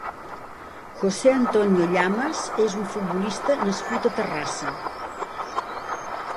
José Antonio Llamas és un futbolista nascut a Terrassa.